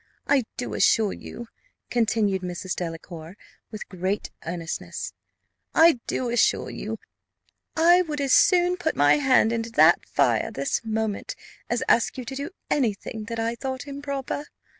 I do assure you," continued Mrs. Delacour with great earnestness, "I do assure you I would as soon put my hand into that fire, this moment, as ask you to do any thing that I thought improper.